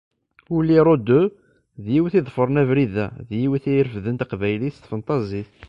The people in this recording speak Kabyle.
Uli Rohde d yiwet i iḍefren abrid-a, d yiwet i irefden Taqbaylit s tfenṭazit.